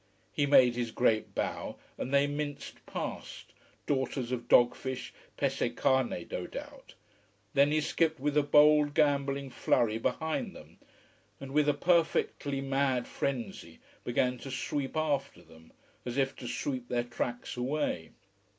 He made his great bow, and they minced past, daughters of dog fish, pesce carne, no doubt. Then he skipped with a bold, gambolling flurry behind them, and with a perfectly mad frenzy began to sweep after them, as if to sweep their tracks away.